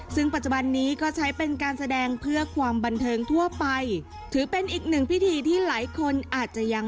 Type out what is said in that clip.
ซึ่งปัจจุบันนี้ก็ใช้เป็นการแสดงเพื่อความบันเทิงทั่วไปถือเป็นอีกหนึ่งพิธีที่หลายคนอาจจะยัง